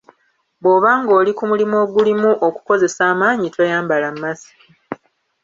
Bw’oba ng’oli ku mulimu ogulimu okukozesa amaanyi toyambala makisiki.